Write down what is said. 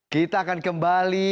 kita akan kembali